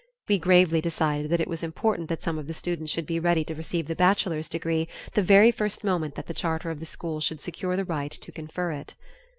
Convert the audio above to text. We gravely decided that it was important that some of the students should be ready to receive the bachelor's degree the very first moment that the charter of the school should secure the right to confer it.